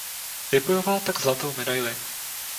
Vybojoval tak zlatou medaili.